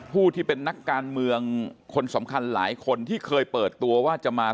ผู้ที่เป็นนักการเมืองคนสำคัญหลายคนที่เคยเปิดตัวว่าจะมา